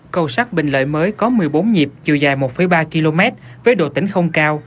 cầu sắt bình lợi mới có một mươi bốn nhịp chiều dài một ba km với độ tĩnh không cao